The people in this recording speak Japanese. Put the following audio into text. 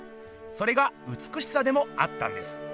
それがうつくしさでもあったんです。